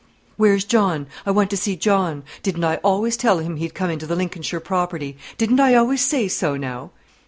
Where's John? I want to see John. Didn't I always tell him he'd come into the Lincolnshire property? Didn't I always say so, now?